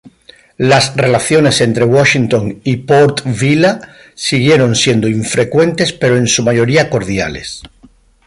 Las relaciones entre Washington y Port-Vila siguieron siendo infrecuentes pero en su mayoría cordiales.